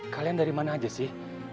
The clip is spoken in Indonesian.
kalian dari mana aja sih